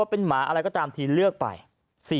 เป็นหมาอะไรก็ตามทีเลือกไป